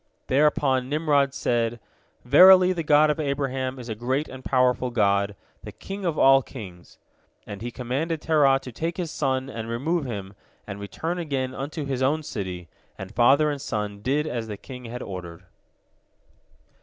Thereupon Nimrod said, "Verily, the God of Abraham is a great and powerful God, the King of all kings," and he commanded Terah to take his son and remove him, and return again unto his own city, and father and son did as the king had ordered.